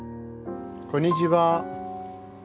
こんにちは。